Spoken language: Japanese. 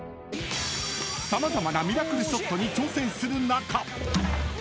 ［様々なミラクルショットに挑戦する中］